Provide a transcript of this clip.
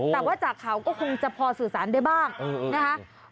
แต่ว่าจากเขาก็คงจะพอสื่อสารได้บ้างนะคะ